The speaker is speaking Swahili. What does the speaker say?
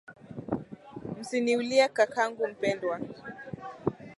Msiniulie kakangu mpendwa.